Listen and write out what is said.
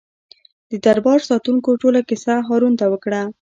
د دربار ساتونکو ټوله کیسه هارون ته وکړه.